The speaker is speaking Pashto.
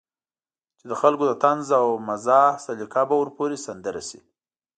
چې د خلکو د طنز او مزاح سليقه به ورپورې سندره شي.